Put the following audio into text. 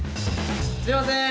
すいません